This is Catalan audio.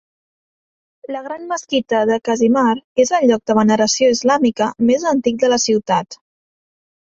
La gran mesquita de Kazimar és el lloc de veneració islàmica més antic de la ciutat.